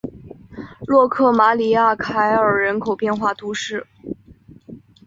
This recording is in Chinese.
洛克马里亚凯尔人口变化图示